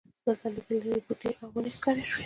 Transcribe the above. دلته لږ لرې بوټي او ونې ښکاره شوې.